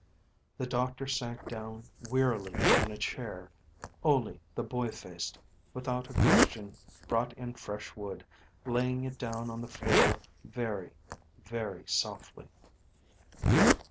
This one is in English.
The doctor sank down wearily in a chair. Ole, the boy faced, without a question brought in fresh wood, laying it down on the floor very, very softly.